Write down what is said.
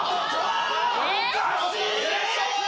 おかしいでしょ！